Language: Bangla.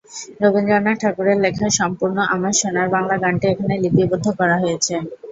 রবীন্দ্রনাথ ঠাকুরের লেখা সম্পূর্ণ "আমার সোনার বাংলা" গানটি এখানে লিপিবদ্ধ করা হয়েছে।